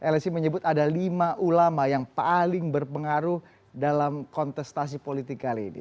lsi menyebut ada lima ulama yang paling berpengaruh dalam kontestasi politik kali ini